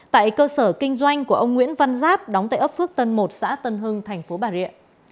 tại cơ sở kinh doanh của ông nguyễn văn giáp đóng tại ấp phước tân một xã tân hưng thành phố bà rịa